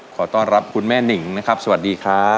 ขอต้อนรับคุณแม่นิ่งนะครับสวัสดีครับ